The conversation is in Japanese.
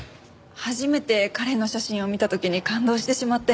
初めて彼の写真を見た時に感動してしまって。